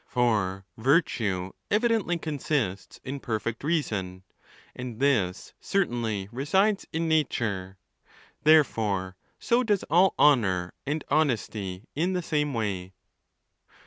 For virtue. evidently con sists in perfect reason, and this certainly resides in nature. Therefore so does all honour and honesty in the same way.